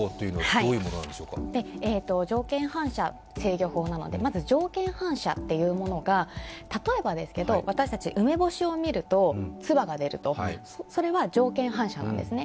条件反射制御法なので、まず条件反射というものが例えばですけれども、私たち、梅干しを見ると、つばが出る、それは条件反射なんですね。